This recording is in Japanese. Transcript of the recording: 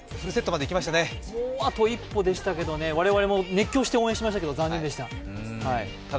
もうあと一歩でしたけど我々も熱狂して応援しましたけど、残念でした。